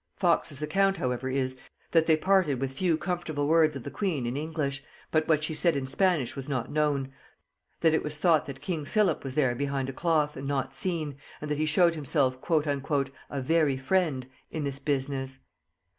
Fox's account however is, that they parted with few comfortable words of the queen in English, but what she said in Spanish was not known: that it was thought that king Philip was there behind a cloth, and not seen, and that he showed himself "a very friend" in this business.